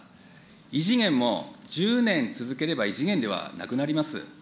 異次元も１０年続ければ異次元ではなくなります。